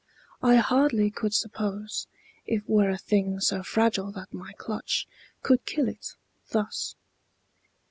I hardly could suppose It were a thing so fragile that my clutch Could kill it, thus.